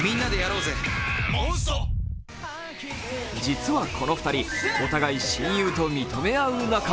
実はこの２人、お互い親友と認め合う仲。